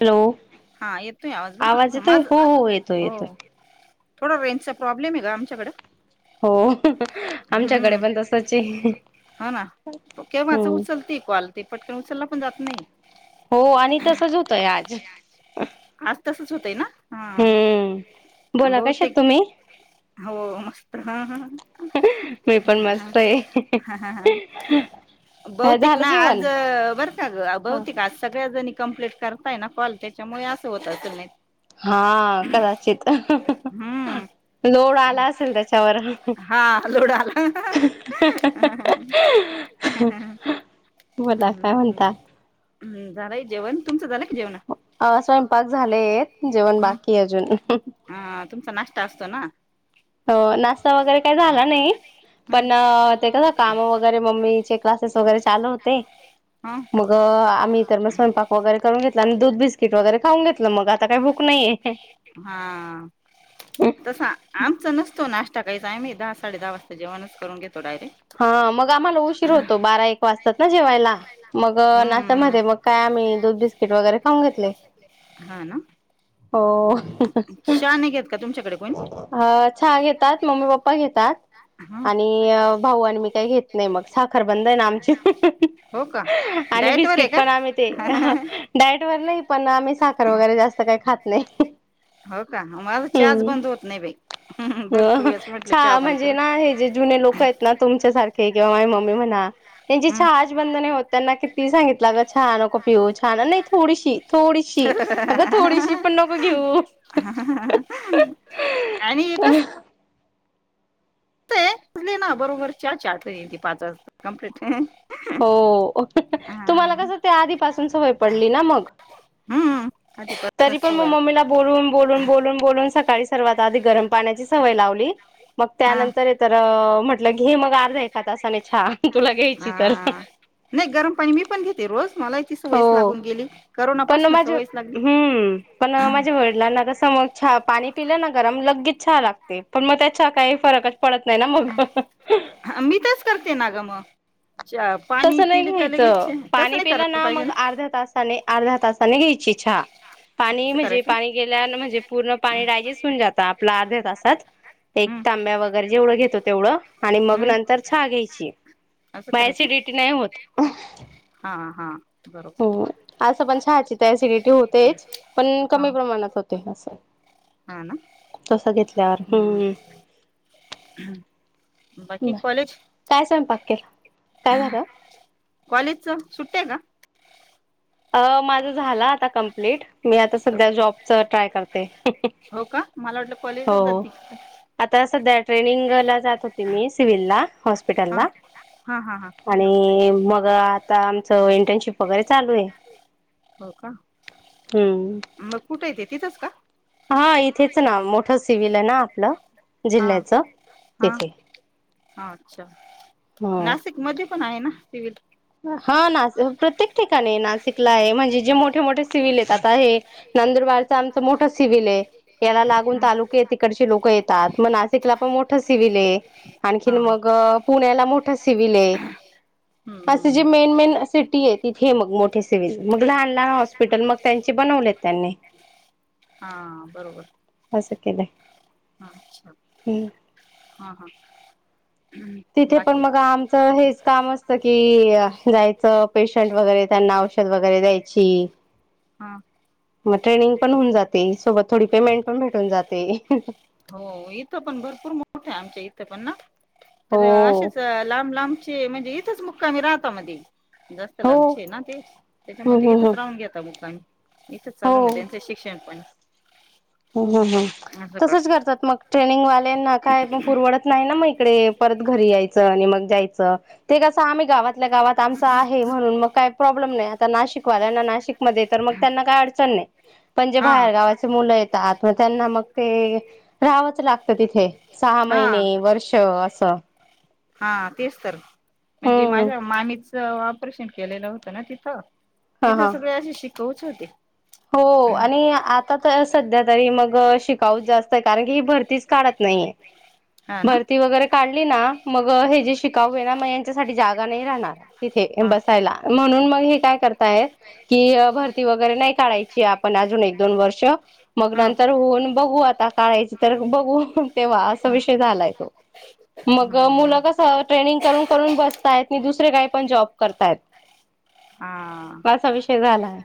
Hello हा येतोय आवाज बर का तुझ येतोय माज हो येतोय हो येतोय थोडं रंचा प्रॉब्लेम आहे का आमच्याकं हो आमच्याकडे हम्म पण तसच आहे हा ना केव्हाच हम्म उचलते कवाल ते पटकन उचलला पण जात नाही हो आणि तसंच होतंय आज आज तसच होतंय ना हा हम्म बोला कशात बहुतेक तुम्ही हो मस्त मी पण मस्त आहे ह काय बहतेिक झालं ना आज जेवण बर का ग बहतेिक आज सगळ्या जण कं्प्लीट करताय ना कॉल त्याच्यामुळे असं होतात तुम्ही हा कदाचित हम्म लोड आला असेल त्याच्यावर हा लोड आला बोला काय म्हणतात हम् झालंय जेवण तुमचं झालंय की जेवण ह स्वयंपाक झाले आहेत जेवण बाकी अजून ह तुमचा नाष्ट्ता असतो ना हो नाश्ता वगैरे काही झाला नाही हम्म पण ते कस काम वगैरे मम्मीचे क्लासेस वगैरे चालू होते ह मग ग मी तर मग स्वयंपाक वगैरे करून घेतला आणि दूध बिस्किट वगैरे खाऊन घेतलं मग आता का भूक नाहीे... हा... एक.. तसा आमचा नसतो नाश्ता काहीच आम्ही दहा साडे दहा वाजता जेवणच करून घेतो डायरेक्ट.. हा मग आम्हाला उशीर होतो बारा एक वाजतात ना जेवायला मग ना... हम्म मध्ये मग काय आम्ही दूध बिस्किट वगैरे खाऊन घेतले... हा ना हो... चहा नाही घेत का तुमच्या... ह चहा घेतात मम्मी पप्पा घेतात.. ह आणि भाऊ आणि मी काय घेत नाही मग साखर बंद आहे ना आमची... हो का आणि डायट वर आहे बिस्किट का पण आ ते.. डायटवर नाही पण आम्ही साखर वगैरे जास्त काही खात नाही.. हो का म... हम् अ वेळेस म्हटलं चहा बंद म्हणजे ना हे जे जुने लोक आहेत ना तुमच्यासारखे... किंवा माझ मम्मी म्हणा त्यांची करून चहाच बंध होत त्यांना किती सांगितलं ग चहा नको पिऊ... छान नाही थोडीशी थोडीशी अगं थोडीशी पण... नको घेऊ आणि एकच... ते त ना बरोबर चार ती पाचच कंप्लीट.. हो तुम्हाला कस ते आधीपासून सवय पडली ना मग... हा... तरी पण मग मम्मीला बोलून बोलून बोलून बोलून सकाळी सर्वात आधी गरम पाण्याची सवय लावली... मग हा त्यानंतर तर म्हटलं घे मग अर्धा एका त अस नाही छान तुला घ्यायची तर... हा नाही गरम पाणी मी पण घेते रोज मला... सवयच हो लागून गेली पण करोनापासून माझ सवयच लागली हम्म पण माझ्या वडिलांना तस मग चहापाणी पिल्याना गरम लगेच छान लागते पण मग त्याच्या काही फरकच पडत नाही ना मग. ह मी तरच करते ना ग म चहा.... पाणी तसं नाही पिलं क घ्यायचं लगेचे तसं नाही करायला पाहिजे ना... अर्धा तासाने घ्यायची चहा पाणी असं म्हणजे करायचं पाणी गेल्यान म्हणजे पूर्ण पाणी डायजेस्ट होऊन जातं आपल्या अर्ध्या तासात.... एक हम्म तांब्या वगैरे जेवढं घेतो तेवढं आणि मग हम्म नंतर चहा घ्यायची.. असं मग करायचं... ऍसिडिटी नाही होत... हा हा बरोबर... असं पण चहाची तर ऍसिडिटी होतेच पण कमी प्रमाणात होते असं... हा ना... तसं घेतल्यावर हम्म... बाकी कॉलेज... काय स्वयंपाक केला काय झालं... कॉलेज च सुट्ट्या आहे का? अ माझं झालं आता कंप्लीट मी आता का सध्या क- जॉबच ट्राय करते.... हो का मला वाटलं कॉलेजच हो जाते... आता सध्या ट्रेनिंगला जात होती मी सिव्हलला हॉस्पिटलला... हां हां हां आणि मग आता आमचं इंटर्नशिप वगैरे चालू आहे... हो का... हम्म... कुठं आहे ते तिथंच का? हा इथेच ना मोठं सिव्हल आहे ना आपलं... हा जिल्ह्याचं हा तिथे. अच्छा हा नाशिक... मध्ये पण आहे ना सिव्हील... हा ना प्रत्येक ठिकाणी नाशिकला आहे म्हणजे जे मोठे मोठे सिवल येतात आहे... नंदुरबारच आमच मोठा सिव्हिल आहे. याला लागून हां तालुके तिकडचे लोक येतात मग नाशिकला पण मोठं सिव्हल ए आणखीन मग हां पुण्याला मोठं सिव्हल ए असं जे मेन मेन सिटी आहे, तिथे मग मोठे सिव्हिल मग लहान लहान हॉस्पिटल मग त्यांचे बनवलेत त्यांनी. हा बरोबर. असं केले हम्म. हा हा. तिथे पण मग आम हेच काम असतं की जायचं पेशंट वगैरे त्यांना औषध वगैरे द्यायची. [inaudible] हां. मग ट्रेनिंग पण होऊन जाते सोबत थोडी पेमेंट पण भेटून जाते. हो इथं पण भरपूर मोठ आहे, आमच्या इथं पण ना हो तर असेच लांब लांब म्हणजे इथच मुक्कामी राहता मध्ये जास्त हो लाबचे ना ते, हम्म त्याच्यामुळे ते हम्म इथेच हम्म राहून घेता मुक्कामी इथंच हो चालू म त्यांचं शिक्षण पण ह असं कर तसंच करतात मग ट्रेनिंगवाल्यांना काय परवडत नाही ना मग इकडे परत घरी यायचं आणि मग जायचं ते कसं आम्ही गावातल्या गावात आमच आहे म्हणून मग काय प्रॉब्लेम नाही आता नाशिकवाल्यांना नाशिकमध्ये तर मग त्यांना काय अडचण नाही पण जे हा बाहेरगावाचे मुलं येतात, मग त्यांना मग ते राहावंच लागत तिथे. सहा हा महिने वर्ष असं हा तेच तर, म्हणजे हम्म माझ्या मामीच ऑपरेशन केलेलं होत ना तिथं, हा तिथं हा सगळे अशीे शिकऊच होते. हो आणि आता तर सध्या तरी मग शिकाऊच जास्त कारण की ही भरतीच काढत नाहीये हा ना भरती वगैरे काढली ना मग, हे जे शिकाऊ ना मग यांच्यासाठी जागा नाही राहणार इथे हा बसायला म्हणून मग हे काय करताय की भरती वगैरे नाही. काढायची आपण अजून एक दोन वर्ष मग हा नंतर होऊन बघू आता. काढायची तर बघू तेव्हा असा हा विषय झालाय तो मग हम्म मुलं कसं ट्रेनिंग करून करून बसतायत आणि दुसरे काही पण जॉब करतायत हा. असा विषय झालाय.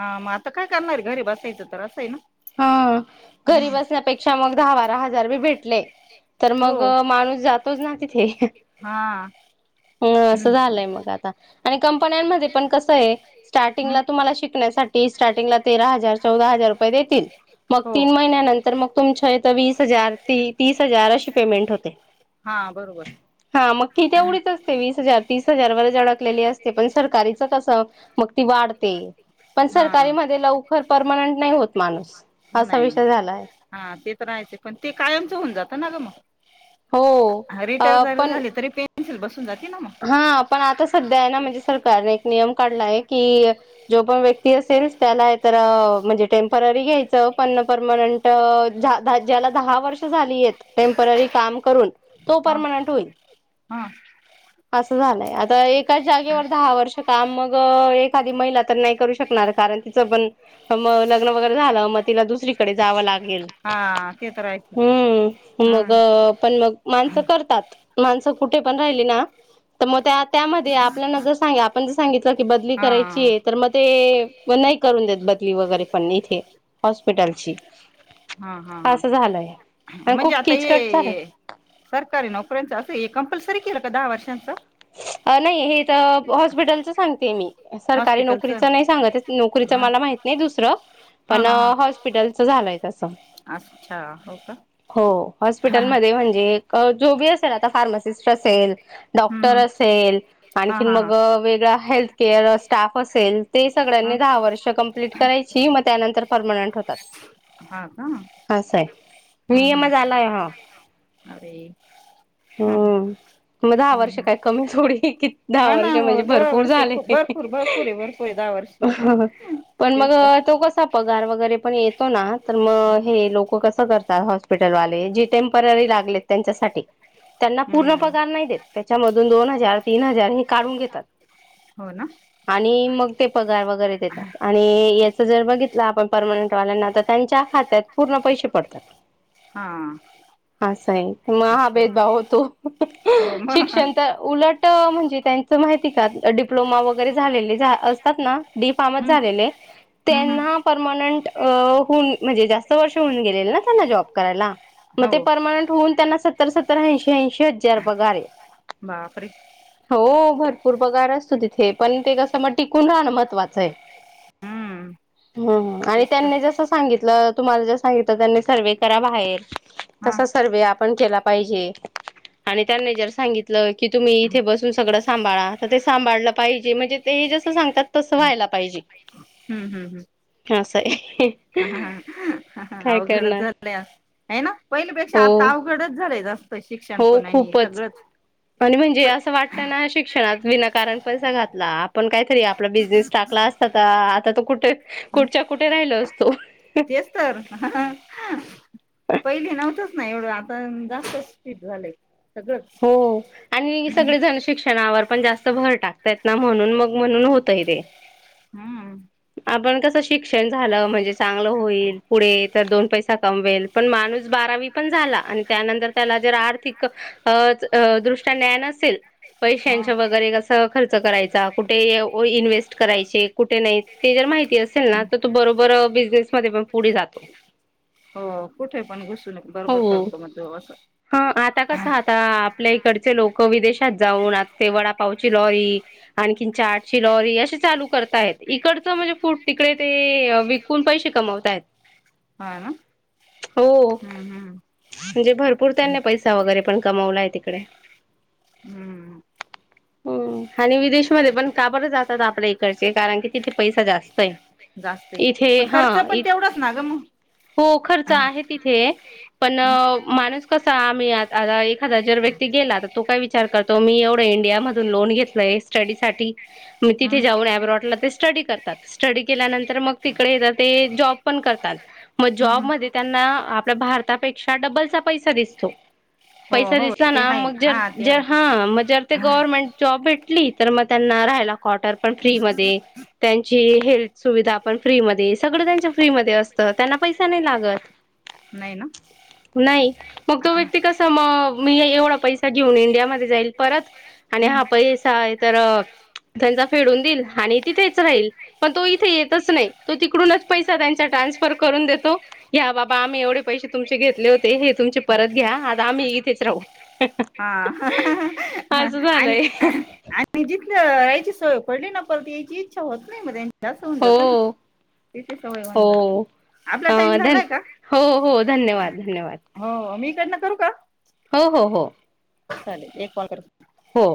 हा मग आता काय करणार घरी बायचं तर असंय ना. हा घरी हम्म बसण्यापेक्षा मग दहा बारा हजार बी भेटले तर मग हो माणूस जातोच ना तिथे. हा. ह असं झालंय हम्म मग आता आणि कंपन्यांमध्ये पण कसं आहे? स्टार्टिंगला तुम्हाला शिकण्यासाठी स्टार्टिंगला तेरा हजार चौदा हजार रुपये देतील मग हो तीन महिन्यानंतर मग तुमच्या इथ वीस हजार तीस हजार अशी पेमेंट होते. हां बरोबर. हा मग ती तेवढीच असते. विस हजार, तीस हजार वर अडकलेली असते, पण सरकारीच कसं मग ती वाढते. पण हा सरकारी मध्ये लवकर परमनंट नाही होत माणूस असा नाही नाही विषय झालाय हा ते तर हायचे, पण ते कायमच होऊन जातं ना ग मग. हो हा अ रिटायर चालू पण झाले तरी, पेन्शन बसून जाते ना मग. हा पण आता सध्या आहे ना म्हणजे सरकारने एक नियम काढलाय की जो पण व्यक्ती असेल त्याला तर म्हणजे टेम्पररी घ्यायचं पण परमनंट ज्याला दहा वर्ष झाली आहेत, टेम्पररी काम करून तो हा परमनंट होईल. हा असं झालंय आता एकाच जागेवर दहा वर्ष काम मग एखादी महिला तर नाही करू शकणार कारण टी पण मग लग्न वगैरे झालं मग तिला दुसरीकडे जावं लाग हा ते तर आहेच हम्म हा मग पण मग माणसं करतात. माणसं कुठे पण राहिली ना तर मग त्या त्यामध्ये आपल्याला जर सांग आपण जर सांगितलं की बदली हा करायची तर मग ते मग नाही करून देत बदली वगैरे पण इथे हॉस्पिटलची हा हा हा असं झालंय आणि म्हणजे खूप आता किचकट ये झालंय सरकारी नोकऱ्यांचं असं हे कंपल्सरी केलं का दहा वर्षांच नाही हे तर हॉस्पिटलच सांगते मी सरकारी हॉस्पिटलचं नोकरीच नाही सांगत नोकरीच हा मला माहित नाही दुसरं हा पण हा हा हॉस्पिटलच झालय तसं अच्छा हो का हो हा हा हॉस्पिटलमध्ये म्हणजे जोबी असेल आता फार्मासिस्ट असेल हम्म र हम्म असेल हा आणखीन हा मग वेगळा हेल्थकअर स्टाफ असेल ते हा सगळ्यांनी दहा वर्ष कंप्लीट करायची मग त्यानंतर परर्मनंट होतात हा का हा स आहे हम् नियम झालाय हा हम् अरे हम्म मग दहा वर्ष हम्म काय कमी थोडी कि दहा हा ना वर्ष म्हणजे मग दहा भरपूर वर्षे झाले खूप भरपूर भरपूर आहे भरपूर आहे दहा वर्षे पण तेच मग तर तो कसा. पगार वगैरे पण येतो ना तर मग हे लोक कसं करतात. हॉस्पिटलवाले जी टेम्पररी लागलेत त्यांच्यासाठी. त्यांना पूर्ण हम्म पगार नाही देत त्याच्यामधून दोन हजार तीन हजार हे काढून घेतात. हो ना. आणि मग ते पगार वगैरे देतात. आणि याच जर बघितलं आपण परमनंट वाल्यांना तर त्यांच्या खात्यात पूर्ण पैसे पडतात हा हा स आहे असते महाभेदभाव होतो हो मग शिक्षण हम्म तर उलट म्हणजे त्यांच माहिती का डिप्लोमा वगैरे झालेले असतात ना डी फार्मस हम्म झालेले हम्म त्यांना परमानंट होऊन म्हणजे जास्त वर्ष होऊन गेलेल ना त्यांना जॉब करायला मग ते हो परर्मनंट होऊन त्यांना सत्तर सत्तर ऐंशी ऐंशी हजार पगार आहे बापरी हो भरपूर पगार असतो तिथे पण ते कसं मग टिकून राहणं महत्त्वाचं आहे हम्म [unintelligible] हम आणि तेच तर त्यांनी जसं सांगितलं तुम्हाला जस सांगितलं त्यांनी सर्वे करा बाहेर हा तसा सर्वे आपण केला पाहिजे आणि त्यांनी जर सांगितलं की तुम्ही इथे बसून सगळं सांभाळा तर ते सांभाळलं पाहिजे म्हणजे ते जस सांगतात तस व्हायला पाहिजे असं आहे ह ह काय अवघडच करणार चालल्या आहे ना पहिल्यापेक्षा हो आता अवघडच झालंय जास्त शिक्षण हो पणा आणि खूपच सगळंच आणि म्हणजे प- असं वाटतं ना शिक्षणात विना कारण पैसा घातला आपण कायतरी आपला बिझनेस टाकला असता आ आता तो कुठे कुठच्या कुठे राहिलो असतो तेस्तार पहिले नव्हतंच ना एवढं आता जास्त स्टिट झालंय सगळंच हो आणि सगळे जण शिक्षणावर पण जास्त भर टाकतायत ना म्हणून मग म्हणून होतय ते हम्म आपण कस शिक्ष म्हणजे चांगलं होईल पुढे तर दोन पैसा कमवेल पण माणूस बारावी पण झाला आणि त्यानंतर त्याला जर आर्थिक दृष्ट्या न्याय नसेल हा पैशांच्या वगैरे कस खर्च करायचा, कुठे इन्व्हेस्ट करायचे कुठे नाहीत. ते जर माहिती असेल ना, तर तू बरोबर बिझनेस मध्ये पण पुढे जातो. हो कुठे पण घुसून बरोबर हो. करतो मग तो असं. हा आता कसं आता आपल्या इकडचे, लोक विदेशात जाऊन आता ते वडापावची लॉरी. आणखीन चाट शिलोरी असे चालू करतायत इकड. म्हणजे फूड तिकडे ते विकून पैसे कमवतायत. ह ना, हो हम्म हम्म. म्हणजे भरपूर त्यांनी पैसा वगैरे पण कमवलाय तिकडे. हम्म. हम्म आणि विदेशमधे पण का बरं जातात, आपल्या इकडचे कारण की तिथे. पैसा जास्त आहे. जास्त ये, इथे पण हा खर्च पण तेवढाच ना गं मग. हो. खर्च आहे तिथे, पण, हम्म माणूस कसा आम्ही आ एखादा जर व्यक्ती गेला तर तो काय विच विचार करतो. मी एवढं इंडिया मधून लोन घेतलय स्टडी साठी मी तिथे हम्म जाऊन अब्रॉटला. स्टडी करतात, स्टडी केल्यानंतर मग तिकडे येत ते जॉब पण करतात. मग हम्म हम्म. जॉबमध्ये त्यांना आपल्या भारतापेक्षा डबलचा पैसा दिसतो. हो पैसा हो दिसला ते ना, आहे मग जर हा ते जर आहे हा मग जर ते हा, गव्हरमेंट. जॉब भेटली तर, मग त्यांना राहायला कॉटर पण फ्री मध्ये. त्यांची हेल्थ सुविधा आपण फ्रीमध्ये, सगळं त्यांनच फ्री मध्ये असत त्यांना पैसा नाही लागत. नाही ना. नाही, मग तो व्यक्ती कसा म मी एवढा पैसा घेऊन इंडियामध्ये. जाईल परत, आणि हम्म हा पैसा तर त्यांचा फेडून देईल आणि तिथेच. रा पण तो इथे येतच नाही. तो तिकडूनच पैसा त्यांचा ट्रान्सफर करून देतो. या बाबा आम्ही एवढे पैसे तुमचे घेतले होते. हे तुमचे परत घ्या आता आम्ही इथेच राहू. हा असं आणि. झालंय आणि जिथलं यायची सवय पडली ना, परत यायची इच्छा होत नाही म्हणे असं होऊन हो जात ना. तिची सवय हो होवून जाते. आपला अ टाइम धन झालाय का? हो हो धन्यवाद धन्यवाद हो मी इकडन करू का. हो हो हो. चालेल एक कॉल करते. हो